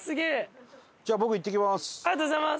じゃあ僕行ってきます。